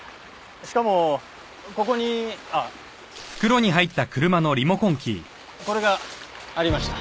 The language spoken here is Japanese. しかもここにあっこれがありました。